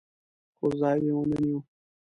خو ځای یې ونه نیو.